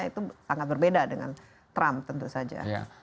itu sangat berbeda dengan trump tentu saja